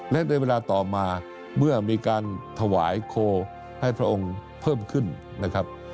และในเวลาต่อมาเมื่อมีการถวายโคให้พระองค์เพิ่มขึ้นนะครับ